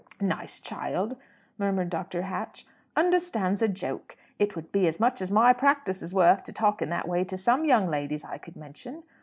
"Nice child," murmured Dr. Hatch. "Understands a joke. It would be as much as my practice is worth to talk in that way to some young ladies I could mention.